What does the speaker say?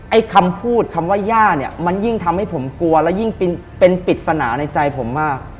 ไอ้คำพูดคำว่าย่าเนี่ยมันยิ่งทำให้ผมกลัวและยิ่งเป็นปริศนาในใจผมมาก